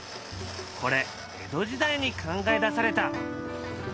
これ江戸時代に考え出された。